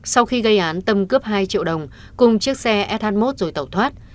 sau khi gây án tâm cướp hai triệu đồng cùng chiếc xe sh một rồi tẩu thoát